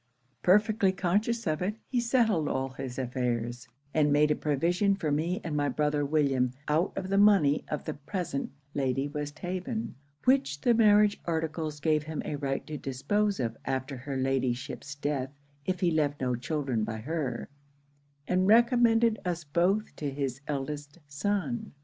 'Perfectly conscious of it, he settled all his affairs; and made a provision for me and my brother William out of the money of the present Lady Westhaven, which the marriage articles gave him a right to dispose of after her Ladyship's death if he left no children by her; and recommended us both to his eldest son.